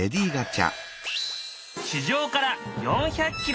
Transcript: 地上から４００キロ